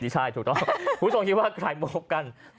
ครูพะสมคิดว่าใครมาพบกันน่ะ